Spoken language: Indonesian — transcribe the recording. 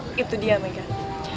nah itu dia megan